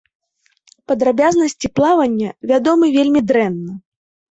Падрабязнасці плавання вядомы вельмі дрэнна.